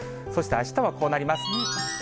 そして、あしたはこうなります。